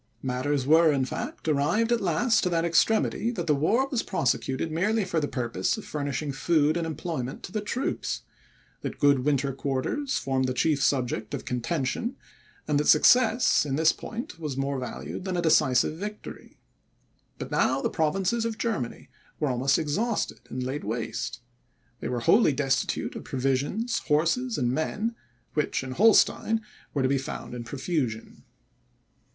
Matters were, in fact, arrived at last to that extremity, that the war was prosecuted merely for the purpose of furnishing food and employment to the troops; that good winter quarters formed the chief subject of contention; and that success, in this point, was more valued than a decisive victory. But now the provinces of Germany were almost all exhausted and laid waste. They were wholly destitute of provisions, horses, and men, which in Holstein were to be found in profusion.